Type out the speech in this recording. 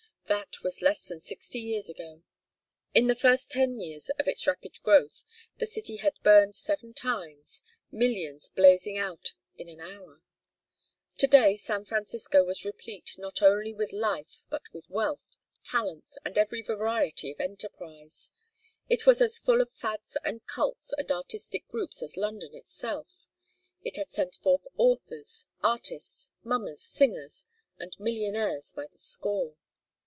That was less than sixty years ago. In the first ten years of its rapid growth the city had burned seven times, millions blazing out in an hour. To day San Francisco was replete not only with life but with wealth, talents, and every variety of enterprise; it was as full of fads and cults and artistic groups as London itself; it had sent forth authors, artists, mummers, singers and millionaires by the score.